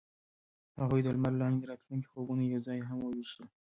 هغوی د لمر لاندې د راتلونکي خوبونه یوځای هم وویشل.